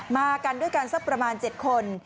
มากันด้วยกันสักประมาณ๗คน